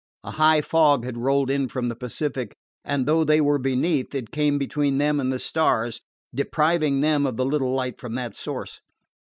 A high fog had rolled in from the Pacific, and though they were beneath, it came between them and the stars, depriving them of the little light from that source.